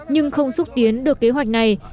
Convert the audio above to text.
nhưng không xúc tiến được kế hoạch này